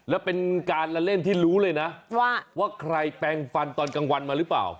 แล้วเป็นการละเล่นที่รู้เลยนะว่าใครแปลงฟันตอนกลางวันมาหรือเปล่า